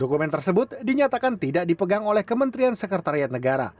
dokumen tersebut dinyatakan tidak dipegang oleh kementerian sekretariat negara